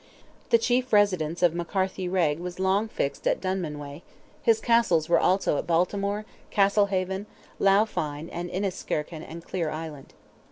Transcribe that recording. The chief residence of McCarthy Reagh was long fixed at Dunmanway; his castles were also at Baltimore, Castlehaven, Lough Fyne, and in Inis Sherkin and Clear Island.